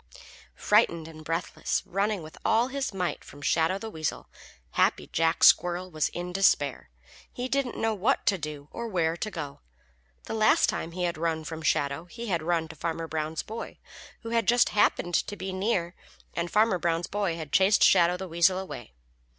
_ Frightened and breathless, running with all his might from Shadow the Weasel, Happy Jack Squirrel was in despair. He didn't know what to do or where to go. The last time he had run from Shadow he had run to Farmer Brown's boy, who had just happened to be near, and Farmer Brown's boy had chased Shadow the Weasel away.